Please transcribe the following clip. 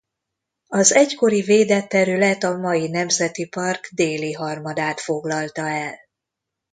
Az egykori védett terület a mai nemzeti park déli harmadát foglalta el.